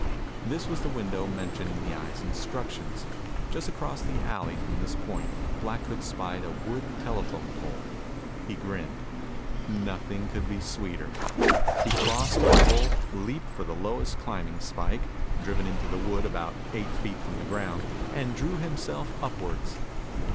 This was the window mentioned in the Eye's instructions. Just across the alley from this point, Black Hood spied a wood telephone pole. He grinned. Nothing could be sweeter! He crossed to the pole, leaped for the lowest climbing spike, driven into the wood about eight feet from the ground, and drew himself upwards.